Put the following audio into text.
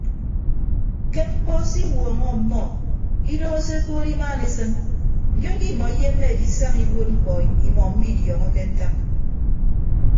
Ke mkpọ se iwuọñọ ọmmọ idooho se ekood imaan esịn ndion ke imọ iyemme edisaña iwuod mkpọ imọ mmidiọọñọke ntak.